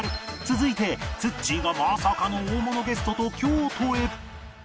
続いてつっちーがまさかの大物ゲストと京都へ